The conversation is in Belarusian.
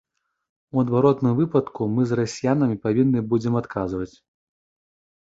У адваротным выпадку мы з расіянамі павінны будзем адказваць.